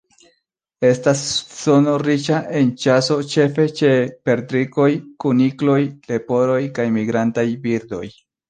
Estas zono riĉa en ĉaso ĉefe ĉe perdrikoj, kunikloj, leporoj kaj migrantaj birdoj.